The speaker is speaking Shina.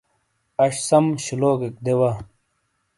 اش سم شولوگیک دے وا۔